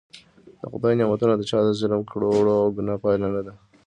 د خدای نعمتونه د چا د ظلم کړو وړو او ګناه پایله نده.